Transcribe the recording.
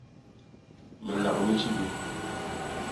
Minlak mi tjibi.